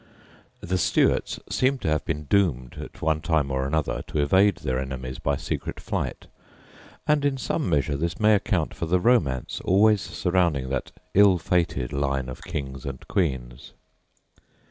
The Stuarts seem to have been doomed, at one time or another, to evade their enemies by secret flight, and in some measure this may account for the romance always surrounding that ill fated line of kings and queens.